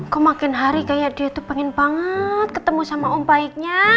kok makin hari kayak dia tuh pengen banget ketemu sama om baiknya